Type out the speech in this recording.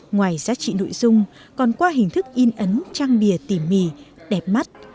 ngoài giá trị nội dung còn qua hình thức in ấn trang bìa tỉ mỉ đẹp mắt